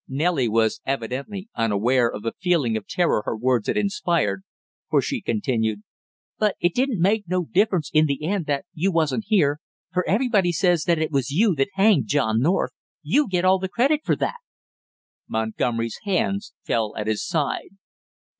Nellie was evidently unaware of the feeling of terror her words had inspired, for she continued: "But it didn't make no difference in the end that you wasn't here, for everybody says it was you that hanged John North; you get all the credit for that!" Montgomery's hands fell at his side.